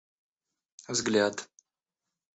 взгляд